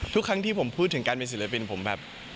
ทุกครั้งที่ผมพูดถึงการเป็นศิลปินผมแบบ